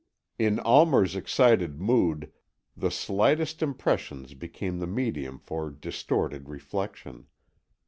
In Almer's excited mood the slightest impressions became the medium for distorted reflection.